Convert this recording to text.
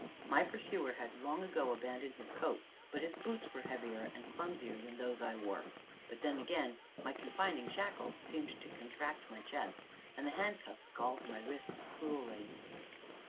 My pursuer had long ago abandoned his coat, but his boots were heavier and clumsier than those I wore; but then, again, my confining shackles seemed to contract my chest; and the handcuffs galled my wrists cruelly.